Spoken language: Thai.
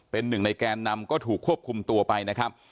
เป็นหนึ่งในแกนนำก็ถูกควบคุมตัวไปนะครับ